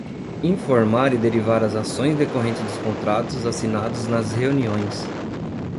Informar e derivar as ações decorrentes dos contratos assinados nas reuniões.